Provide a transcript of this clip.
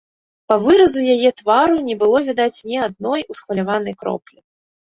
Па выразу яе твару не было відаць ні адной усхваляванай кроплі.